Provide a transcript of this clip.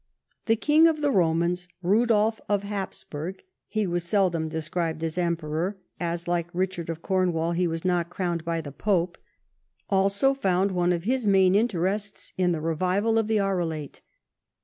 The King of the Romans, Eudolf of Hapsburg (he was seldom described as Emperor, as, like Eichard of Cornwall, he was not crowned by the pope), also found one of his main interests in the revival of the Arelate.